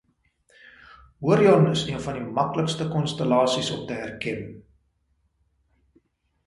Orion is een van die maklikste konstellasies om te herken